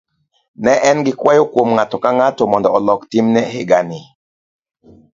Ne en gi kwayo kuom ng'ato ka ng'ato mondo olok timne higani.